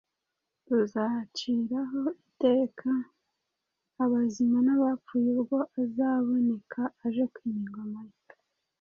uzaciraho iteka abazima n’abapfuye, ubwo azaboneka aje kwima ingoma ye.